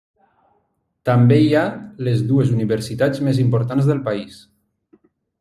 També hi ha les dues universitats més importants del país.